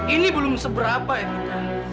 ini belum seberapa erika